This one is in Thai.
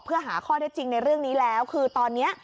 เพื่อหาข้อได้จริงในเรื่องนี้แล้วคือตอนนี้